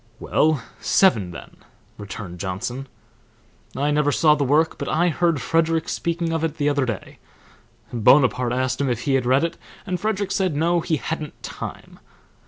"Well, seven then," returned Johnson. "I never saw the work, but I heard Frederick speaking of it the other day. Bonaparte asked him if he had read it, and Frederick said no, he hadn't time.